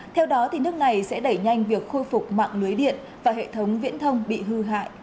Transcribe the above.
theo đó nước này sẽ đẩy nhanh việc khôi phục mạng lưới điện và hệ thống viễn thông bị hư hại